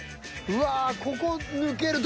うわ。